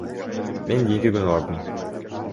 Мен кийинки күнү бардым.